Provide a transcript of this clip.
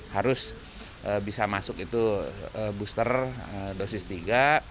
harus bisa masuk itu booster dosis tiga